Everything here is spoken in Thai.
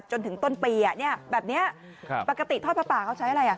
จนถึงต้นปีอ่ะเนี่ยแบบนี้ปกติทอดผ้าป่าเขาใช้อะไรอ่ะ